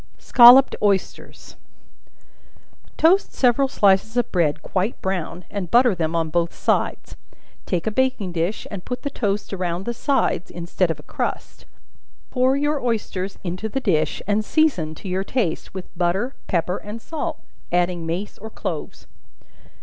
Scolloped Oysters. Toast several slices of bread quite brown, and butter them on both sides; take a baking dish, and put the toast around the sides, instead of a crust. Pour your oysters into the dish, and season, to your taste, with butter, pepper and salt, adding mace or cloves.